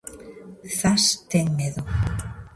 Zas ten medo.